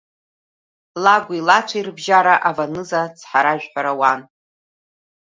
Ла-гәи лацәеи рыбжьара аваныза цҳаражәҳәара ауан.